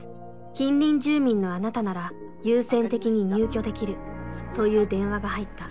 近隣住民のあなたなら優先的に入居できる」という電話が入った。